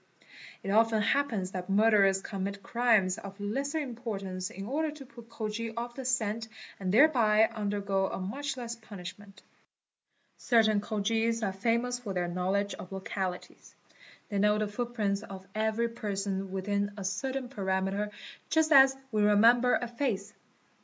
It often i eerpens that murderers commit crimes of lesser importance in order to put Khojis off the scent and thereby undergo a much less punish 'ment "), Certain Khojis are famous for their knowledge of localities. 'They know the footprints of every person within a certain perimeter just 'as we remember a face.